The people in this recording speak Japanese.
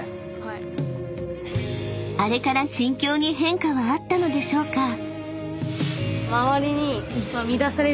［あれから心境に変化はあったのでしょうか？］